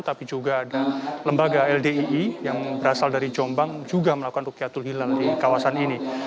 tapi juga ada lembaga ldii yang berasal dari jombang juga melakukan rukyatul hilal di kawasan ini